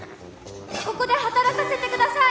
ここで働かせてください。